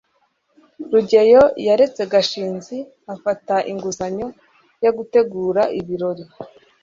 rugeyo yaretse gashinzi afata inguzanyo yo gutegura ibirori